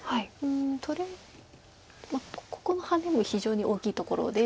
とりあえずここのハネも非常に大きいところで。